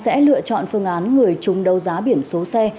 sẽ lựa chọn phương án người chung đấu giá biển số xe